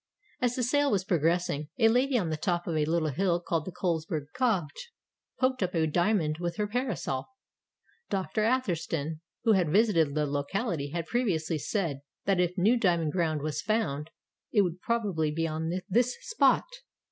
As the sale was progress ing, a lady on the top of a little hill called the Colcsberg Kopje poked up a diamond with her parasol. Dr. Ather stone who had visited the locality had previously said that if new diamond ground were found it would prob ably be on this spot.